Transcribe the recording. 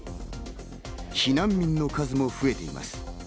避難民の数も増えています。